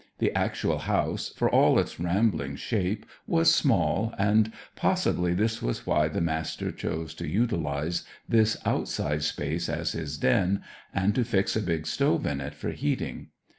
The actual house, for all its rambling shape, was small, and possibly this was why the Master chose to utilize this outside place as his den, and to fix a big stove in it for heating.